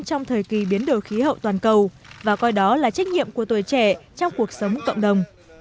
trong thời kỳ biến đổi khí hậu toàn cầu và coi đó là trách nhiệm của tuổi trẻ trong cuộc sống cộng đồng